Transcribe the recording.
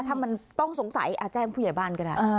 ถ้ามันต้องสงสัยแจ้งผู้ใหญ่บ้านก็ได้